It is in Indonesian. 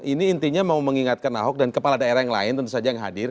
ini intinya mau mengingatkan ahok dan kepala daerah yang lain tentu saja yang hadir